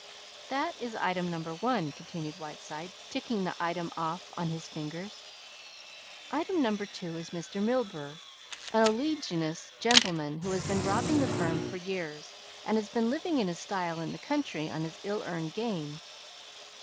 "That is item number one," continued Whiteside, ticking the item off on his fingers. "Item number two is Mr. Milburgh, an oleaginous gentleman who has been robbing the firm for years and has been living in style in the country on his ill earned gains.